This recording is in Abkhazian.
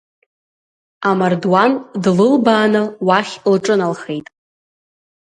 Амардуан длылбааны, уахь лҿыналхеит.